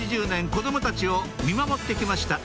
子供たちを見守ってきました